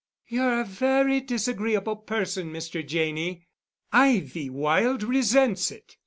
"You're a very disagreeable person, Mr. Janney—Ivywild resents it.